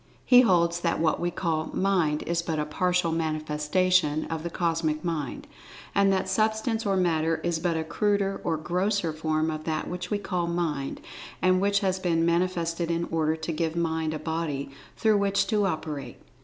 He holds that what we call "Mind" is but a partial manifestation of the Cosmic Mind. And that Substance or Matter is but a cruder or grosser form of that which we call Mind, and which has been manifested in order to give Mind a Body through which to operate.